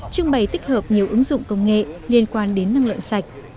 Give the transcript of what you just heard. trưng bày tích hợp nhiều ứng dụng công nghệ liên quan đến năng lượng sạch